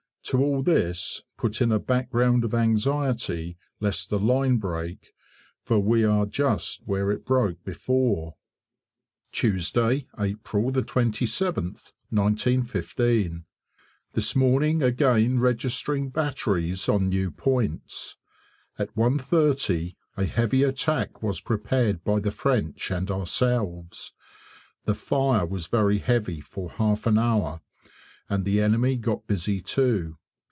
To all this, put in a background of anxiety lest the line break, for we are just where it broke before. Tuesday, April 27th, 1915. This morning again registering batteries on new points. At 1.30 a heavy attack was prepared by the French and ourselves. The fire was very heavy for half an hour and the enemy got busy too.